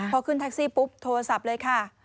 พอขึ้นแท็กซี่ปุ๊บโทรศัพท์เลยค่ะ